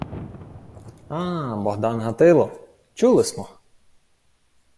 — А-а, Богдан Гатило! Чули смо!..